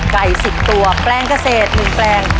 ไก่๑๐ตัวแปลงเกษตร๑แปลง